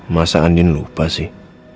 masa andien lupa sih